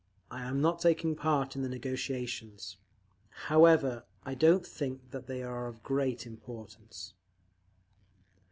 I am not taking part in the negotiations…. However, I don't think that they are of great importance…."